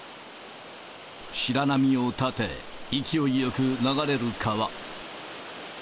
白波を立て、勢いよく流れる川。